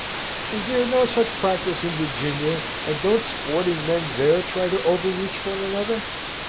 "Is there no such practice in Virginia, and don't sporting men there try to overreach one another?